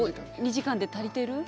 ２時間で足りてる？